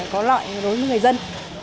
có loại đối với người dân